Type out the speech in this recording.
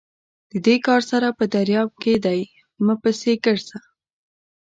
د دې کار سر په درياب کې دی؛ مه پسې ګرځه!